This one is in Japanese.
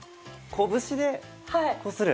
拳でこする。